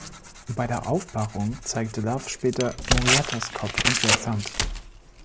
Bei der Aufbahrung zeigte Love später Muriettas Kopf und Jacks Hand.